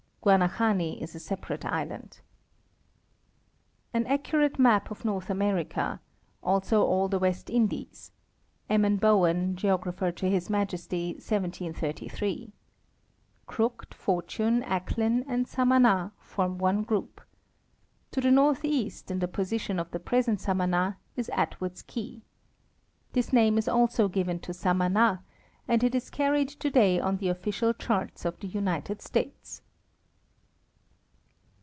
Guanahani is a separate island. An Accurate Mar or Norto AMERICA; ALSO ALL THE West INDIES, Eman Bowen, geographer to His Majesty, 1733: Crooked, Fortune, Ack lin and Samana form one group. To the northeast, in the position of the present Samana, is Atwood's Key. This name is also given to Samana, and it is carried today on the official charts of the United States.